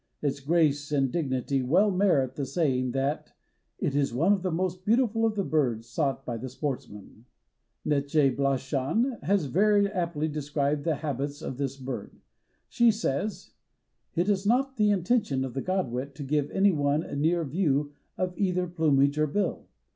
Its grace and dignity well merit the saying that "it is one of the most beautiful of the birds sought by the sportsman." Neltje Blanchan has very aptly described the habits of this bird. She says: "It is not the intention of the Godwit to give anyone a near view of either plumage or bill.